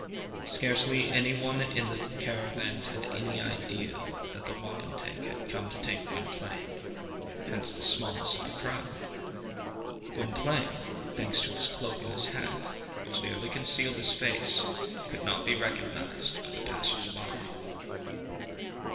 Scarcely any one in the caravans had any idea that the wapentake had come to take Gwynplaine. Hence the smallness of the crowd. Gwynplaine, thanks to his cloak and his hat, which nearly concealed his face, could not be recognized by the passers by.